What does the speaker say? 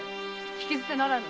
聞き捨てならぬ。